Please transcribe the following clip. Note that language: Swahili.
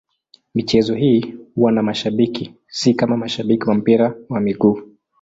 Michezo hii huwa na mashabiki, si kama mashabiki wa mpira wa miguu.